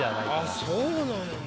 あぁそうなんや。